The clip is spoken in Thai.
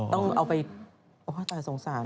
ต้องเอาไปตาสงสาร